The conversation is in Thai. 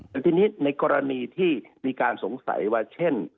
แต่ทีนี้ในกรณีที่มีการสงสัยว่าเช่น